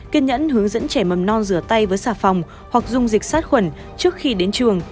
kiên nhẫn hướng dẫn trẻ mầm non rửa tay với xà phòng hoặc dung dịch sát khuẩn trước khi đến trường